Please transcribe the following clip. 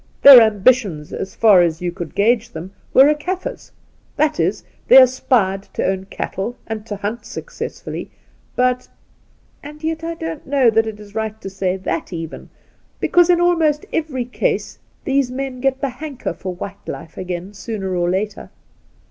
Their ambi tions, as far as you could gauge them, were a Kaffir's; that is, they aspired to own cattle, and' to hunt successfully, ' but And yet I don't know that it is right to say that even, because in almost every case these men get the " hanker " for white life again sooner or later.